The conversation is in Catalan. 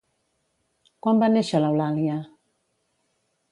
Quan va néixer l'Eulàlia?